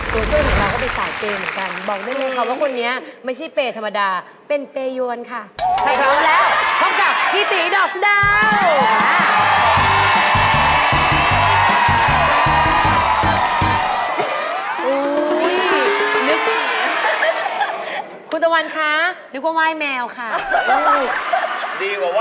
ผู้ช่วยของเราก็เป็นสายเกมเหมือนกันบอกได้ไหมครับ